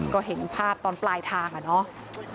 ก็เห็นภาพตอนปลายทางอะเนาะ